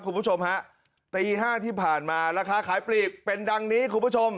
คุณผู้ชมฮะตี๕ที่ผ่านมาราคาขายปลีกเป็นดังนี้คุณผู้ชม